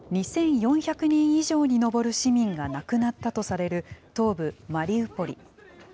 ２４００人以上に上る市民が亡くなったとされる東部マリウポリ。